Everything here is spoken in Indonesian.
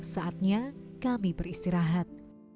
saatnya kami beristirahat